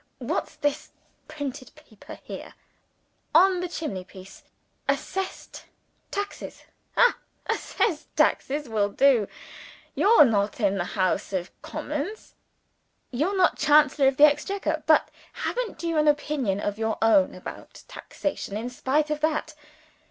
What's this printed paper, here, on the chimney piece? Assessed Taxes. Ha! Assessed Taxes will do. You're not in the House of Commons; you're not Chancellor of the Exchequer but haven't you an opinion of your own about taxation, in spite of that?